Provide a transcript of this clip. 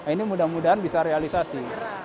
ini mudah mudahan bisa realisasi